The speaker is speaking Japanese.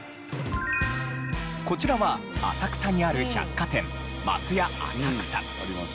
こちらは浅草にある百貨店松屋浅草。